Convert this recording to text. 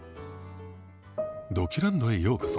「ドキュランドへようこそ」。